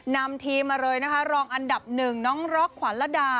นำทีมมาเลยนะคะรองอันดับหนึ่งน้องร็อกขวัญระดา